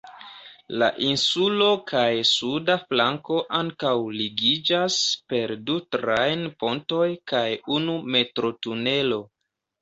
La insulo kaj suda flanko ankaŭ ligiĝas per du trajn-pontoj kaj unu metro-tunelo.